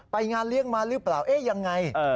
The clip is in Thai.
งานเลี้ยงมาหรือเปล่าเอ๊ะยังไง